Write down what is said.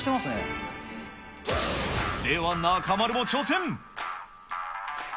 では中丸も挑戦。